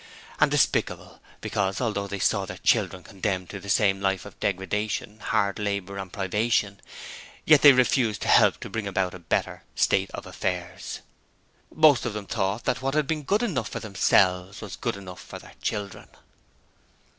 And despicable, because although they saw their children condemned to the same life of degradation, hard labour and privation, yet they refused to help to bring about a better state of affairs. Most of them thought that what had been good enough for themselves was good enough for their children.